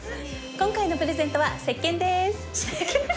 今回のプレゼントはせっけんです。